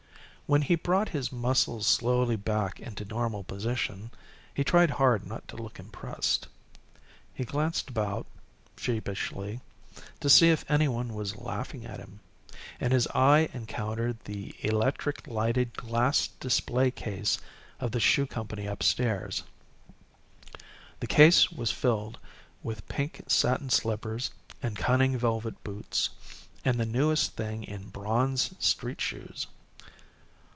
When he brought his muscles slowly back into normal position he tried hard not to look impressed. He glanced about, sheepishly, to see if any one was laughing at him, and his eye encountered the electric lighted glass display case of the shoe company upstairs. The case was filled with pink satin slippers and cunning velvet boots, and the newest thing in bronze street shoes.